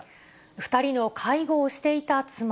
２人の介護をしていた妻。